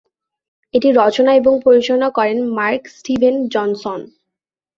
এটি রচনা এবং পরিচালনা করেন মার্ক স্টিভেন জনসন।